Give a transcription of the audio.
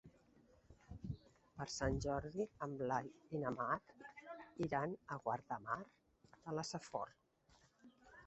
Per Sant Jordi en Blai i na Mar iran a Guardamar de la Safor.